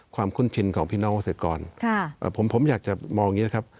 ความคุ้นชินของพี่น้องหัวเศรษฐกรค่ะผมผมอยากจะมองอย่างเงี้ยครับ